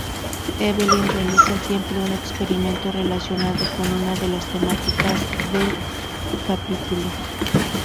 Evelyn realiza siempre un experimento relacionado con una de las temáticas del capítulo.